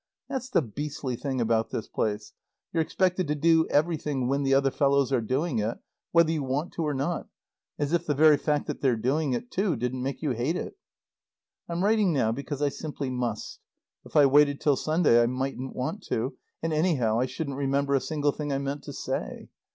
That's the beastly thing about this place, you're expected to do everything when the other fellows are doing it, whether you want to or not, as if the very fact that they're doing it too didn't make you hate it. I'm writing now because I simply must. If I waited till Sunday I mightn't want to, and anyhow I shouldn't remember a single thing I meant to say.